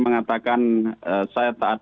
mengatakan saya taat